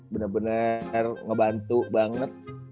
bener bener ngebantu banget